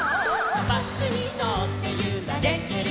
「バスにのってゆられてる」